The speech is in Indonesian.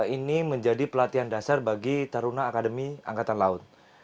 ini menjadi pelatihan dasar bagi taruna akademi angkatan laut